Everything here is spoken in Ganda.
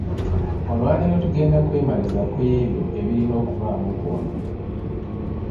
Olwaleero tugenda kwemaliza ku ebyo ebirina okubaamu okuwangaala.